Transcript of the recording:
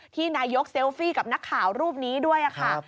นายกเซลฟี่กับนักข่าวรูปนี้ด้วยค่ะ